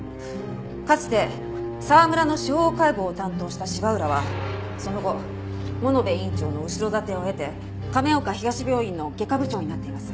かつて沢村の司法解剖を担当した芝浦はその後物部院長の後ろ盾を得て亀岡東病院の外科部長になっています。